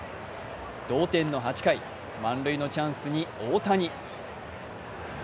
同点の８回、満塁のチャンスに大谷。